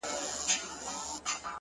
درته به وايي ستا د ښاريې سندري،